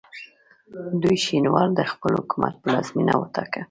دوی شینوار د خپل حکومت پلازمینه وټاکه.